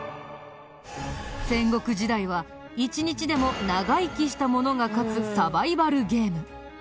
戦国時代は１日でも長生きした者が勝つサバイバルゲーム。